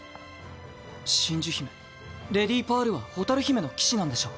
真珠姫レディパールは蛍姫の騎士なんでしょ？